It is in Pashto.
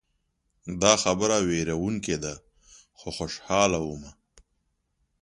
دا خبره ویروونکې ده خو خوشحاله ومه.